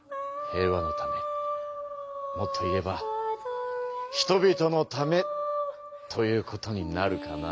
もっと言えば人々のためということになるかな。